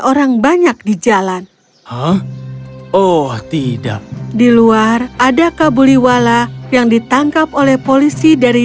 orang banyak di jalan oh tidak di luar ada kabuliwala yang ditangkap oleh polisi dari